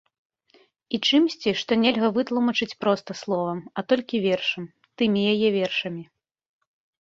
І чымсьці, што нельга вытлумачыць проста словам, а толькі вершам, тымі яе вершамі.